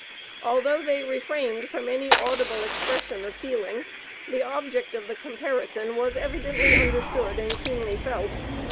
Although they refrained from any audible expression of feeling, the object of the comparison was evidently understood and keenly felt.